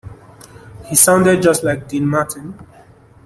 He sounded just like Dean Martin.